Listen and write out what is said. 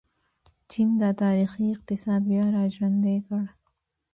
چین د تاریخي اقتصاد بیا راژوندی کړ.